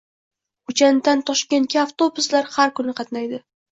Xo‘janddan Toshkentga avtobuslar har kuni qatnaydi